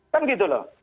kan gitu loh